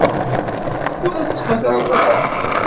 Ur la ttḥadareɣ ara.